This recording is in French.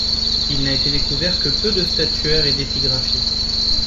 Il n'a été découvert que peu de statuaire et d'épigraphie.